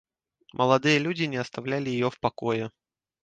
Молодые люди не оставляли ее в покое.